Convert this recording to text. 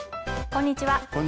こんにちは。